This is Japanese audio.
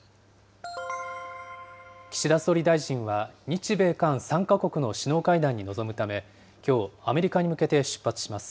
岸田総理大臣は日米韓３か国の首脳会談に臨むため、きょう、アメリカに向けて出発します。